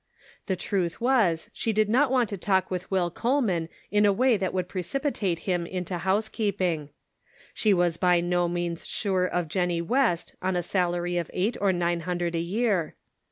The truth was she did not want to talk with Will Coleman in a way that would precipitate him into housekeeping ; she was by no means sure of Jennie West on a salary of eight or nine hundred a year.